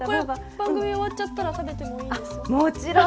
番組終わっちゃったら食べていいですか。